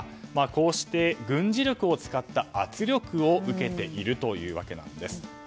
こうして、軍事力を使った圧力を受けているというんです。